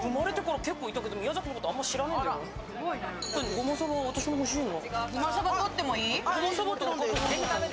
ごまさば、私も欲しいな。